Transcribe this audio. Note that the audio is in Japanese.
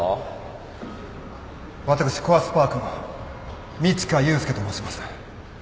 私コアスパークの路加雄介と申します。